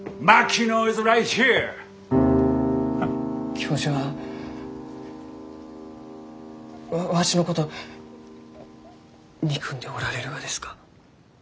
教授はわわしのこと憎んでおられるがですか？